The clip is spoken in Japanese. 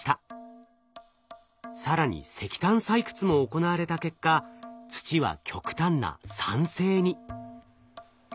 更に石炭採掘も行われた結果土は極端な酸性に。